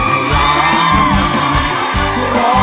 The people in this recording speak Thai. คอมเมนต์ได้หมดเลยนะครับ